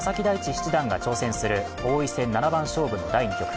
七段が挑戦する王位戦七番勝負の第２局。